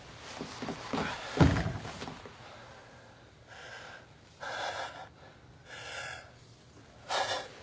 ハァ。ハァ。